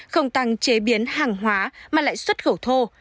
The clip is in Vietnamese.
không tăng chế biến hàng hóa mà lại xuất khẩu thô